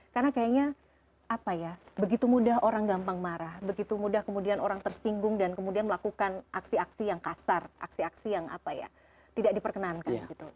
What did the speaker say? karena kayaknya apa ya begitu mudah orang gampang marah begitu mudah kemudian orang tersinggung dan kemudian melakukan aksi aksi yang kasar aksi aksi yang apa ya tidak diperkenankan gitu